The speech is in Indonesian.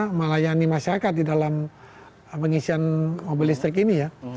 kita melayani masyarakat di dalam pengisian mobil listrik ini ya